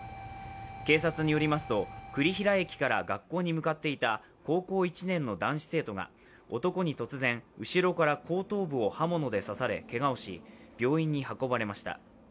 警察によりますと栗平駅から学校に向かっていた高校１年の男子生徒が男に突然、後ろから後頭部を刃物で刺されけがをし、病院に運ばれました。